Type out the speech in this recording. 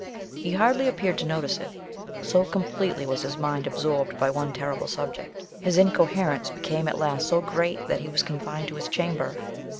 He hardly appeared to notice it, so completely was his mind absorbed by one terrible subject. His incoherence became at last so great, that he was confined to his chamber.